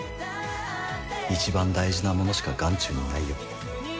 一番大事なものしか眼中にないよ。